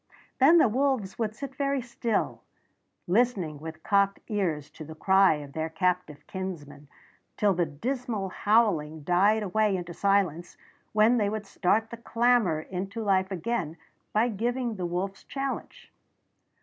Then the wolves would sit very still, listening with cocked ears to the cry of their captive kinsmen, till the dismal howling died away into silence, when they would start the clamor into life again by giving the wolf's challenge.